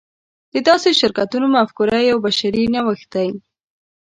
د داسې شرکتونو مفکوره یو بشري نوښت دی.